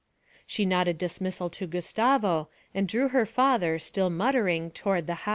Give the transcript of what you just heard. She nodded dismissal to Gustavo, and drew her father, still muttering, toward the house.